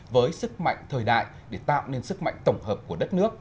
với sức mạnh thời đại để tạo nên sức mạnh tổng hợp của đất nước